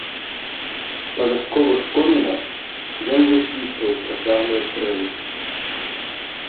Па вясковых комінах ён высвістваў працяглыя трэлі.